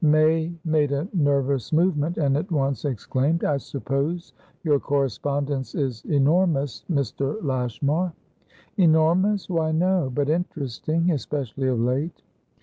May made a nervous movement, and at once exclaimed: "I suppose your correspondence is enormous, Mr. Lashmar?" "Enormouswhy no. But interesting, especially of late."